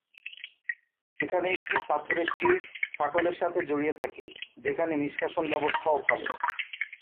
এখানে এটি পাথুরে চিড়, ফাটলের সাথে জড়িয়ে থাকে যেখানে নিষ্কাশন ব্যবস্থাও ভাল।